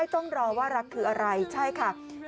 เฮ่ยร้องเป็นเด็กเลยอ่ะภรรยาเซอร์ไพรส์สามีแบบนี้ค่ะ